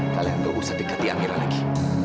kalian perlu usah dekati amira lagi